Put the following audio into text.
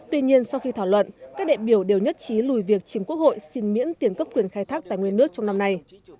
tuy nhiên sau khi thảo luận các đại biểu đều nhất trí lùi việc chiếm quốc hội xin miễn tiền cấp quyền khai thác tài nguyên nước trong năm nay